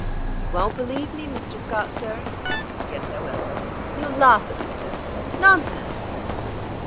"You won't believe me, Mr. Scott, sir?" "Yes, I will." "You will lawf at me, sir?" "Nonsense!"